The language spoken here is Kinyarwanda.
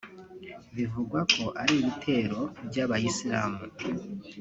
Bivugwa ko ari ibitero by’abayisilamu